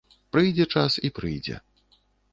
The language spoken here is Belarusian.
Прыйдзе час і прыйдзе.